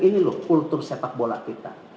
ini loh kultur sepak bola kita